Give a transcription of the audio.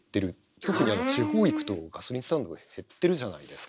特にあの地方行くとガソリンスタンドが減ってるじゃないですか。